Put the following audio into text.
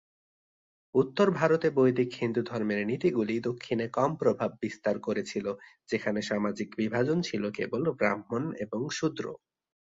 উত্তর ভারতে বৈদিক হিন্দুধর্মের নীতিগুলি দক্ষিণে কম প্রভাব বিস্তার করেছিল, যেখানে সামাজিক বিভাজন ছিল কেবল ব্রাহ্মণ এবং শূদ্র।